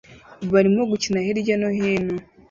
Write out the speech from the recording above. barimo gukina hirya no hino